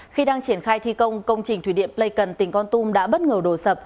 khi đang triển khai thi công công trình thủy điện pleikon tỉnh con tum đã bất ngờ đổ sập